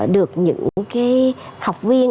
được những cái học viên